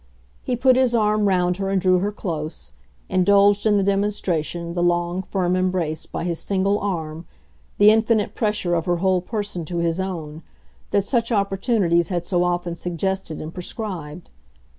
He put his arm round her and drew her close indulged in the demonstration, the long, firm embrace by his single arm, the infinite pressure of her whole person to his own, that such opportunities had so often suggested and prescribed.